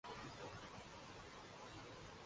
سی N G station اتوار کو صبح بجے کھولے جائیں گے